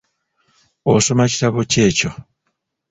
Osoma kitabo ki ekyo?